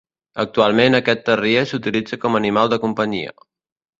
Actualment aquest Terrier s'utilitza com animal de companyia.